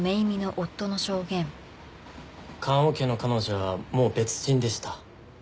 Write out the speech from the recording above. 棺桶の彼女はもう別人でした。